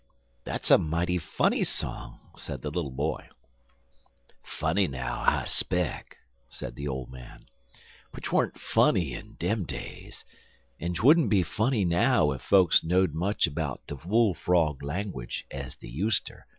'" "That's a mighty funny song," said the little boy. "Funny now, I speck," said the old man, "but 'tweren't funny in dem days, en 'twouldn't be funny now ef folks know'd much 'bout de Bull frog langwidge ez dey useter.